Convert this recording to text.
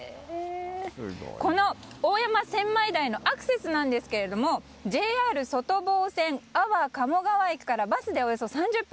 この大山千枚田へのアクセスなんですがＪＲ外房線安房鴨川駅からバスでおよそ３０分。